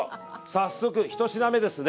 早速１品目ですね。